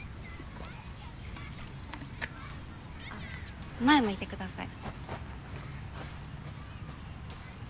あ前向いてください。